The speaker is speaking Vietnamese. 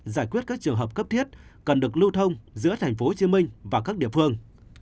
giải quyết các trường hợp cấp thiết cần được lưu thông giữa tp hcm và các địa phương